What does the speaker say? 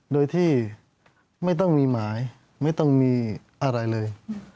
โดยที่ไม่ต้องมีหมายไม่ต้องมีอะไรเลย